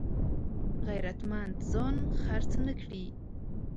غیرتمند ځان خرڅ نه کړي